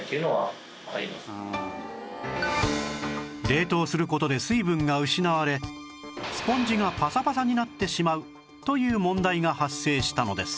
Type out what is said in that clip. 冷凍する事で水分が失われスポンジがパサパサになってしまうという問題が発生したのです